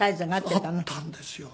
合ったんですよ。